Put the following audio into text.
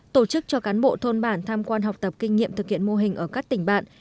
tổ chức cho cán bộ thôn bản tham quan học tập kinh nghiệm thực hiện mô hình ở các tỉnh bạn